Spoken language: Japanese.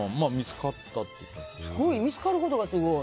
すごい、見つかることがすごい。